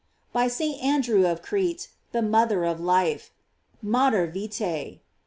T By St. Andrew of Crete: The mother of life: "Mater vi tse."